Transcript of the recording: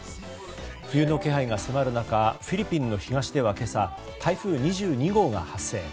冬の気配が迫る中フィリピンの東では今朝台風２２号が発生。